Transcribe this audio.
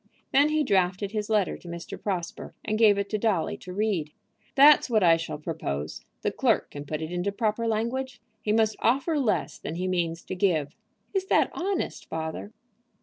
Then he drafted his letter to Mr. Prosper, and gave it to Dolly to read. "That's what I shall propose. The clerk can put it into proper language. He must offer less than he means to give." "Is that honest, father?"